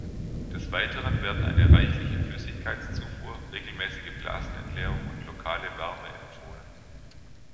Des Weiteren werden eine reichliche Flüssigkeitszufuhr, regelmäßige Blasenentleerung und lokale Wärme empfohlen.